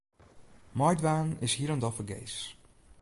Meidwaan is hielendal fergees.